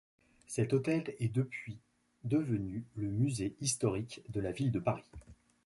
Cet hôtel est depuis devenu le musée historique de la ville de Paris.